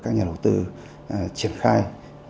các nhà đầu tư triển khai